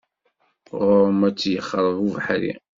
Ɣur-m ad t-yexreb ubeḥri.